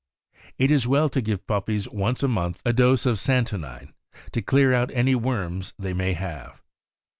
It is well to give puppies, once a month, a dose of san tonine, to clean out any worms they may have.